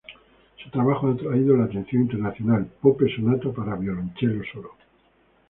Su trabajo ha atraído la atención internacional: "Pope "Sonata para violonchelo solo"".